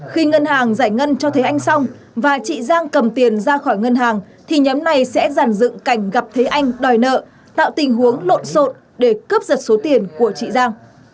khi ngân hàng giải ngân cho thấy anh xong và chị giang cầm tiền ra khỏi ngân hàng thì nhóm này sẽ giàn dựng cảnh gặp thế anh đòi nợ tạo tình huống lộn xộn để cướp giật số tiền của chị giang